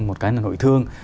một cái là nội thương